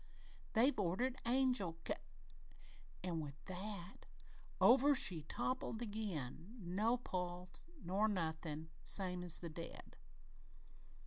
They've ordered angel ca ' An' with that, over she toppled again, no pulse nor nothin', same as the dead!"